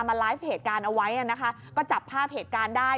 มาไลฟ์เหตุการณ์เอาไว้นะคะก็จับภาพเหตุการณ์ได้